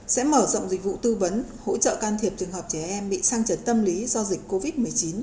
sẽ mở rộng dịch vụ tư vấn hỗ trợ can thiệp trường hợp trẻ em bị sang trần tâm lý do dịch covid một mươi chín